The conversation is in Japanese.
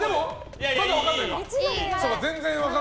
まだ分かんないか。